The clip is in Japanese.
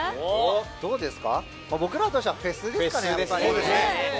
僕らとしてはフェスですかね。